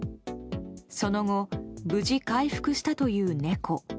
その後、無事回復したという猫。